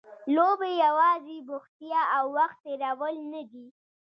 لوبې یوازې بوختیا او وخت تېرول نه دي.